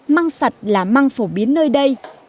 măng sạch là măng phổ biến nơi đây